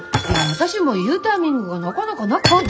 私も言うタイミングがなかなかなくてね。